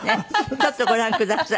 ちょっとご覧ください。